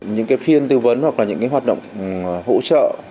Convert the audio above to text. những phiên tư vấn hoặc là những hoạt động hỗ trợ